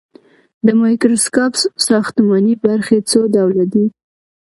د مایکروسکوپ ساختماني برخې څو ډوله دي.